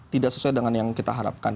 tidak sesuai dengan yang kita harapkan